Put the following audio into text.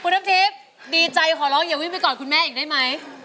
น้ำทิพย์ดีใจขอร้องอย่าวิ่งไปกอดคุณแม่อีกได้ไหม